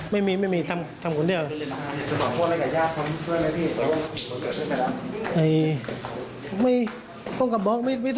ไม่มีไม่มีทำคนเดียว